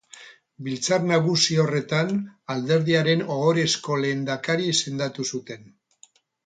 Biltzar Nagusi horretan alderdiaren ohorezko lehendakari izendatu zuten.